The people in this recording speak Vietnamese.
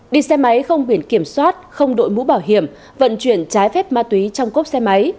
đi xe máy không biển kiểm soát không đội mũ bảo hiểm vận chuyển trái phép ma túy trong cốp xe máy